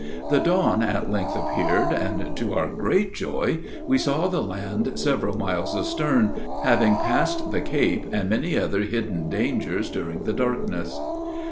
The dawn at length appeared, and to our great joy we saw the land several miles astern, having passed the Cape and many other hidden dangers during the darkness.